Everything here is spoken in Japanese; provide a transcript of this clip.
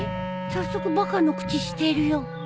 早速「バカ」の口してるよ